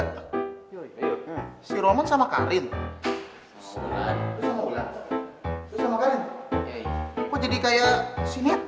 gue denger denger lo berdua ikut lomba musikalisasi puisi juga